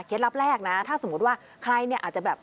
ลับแรกนะถ้าสมมุติว่าใครเนี่ยอาจจะแบบ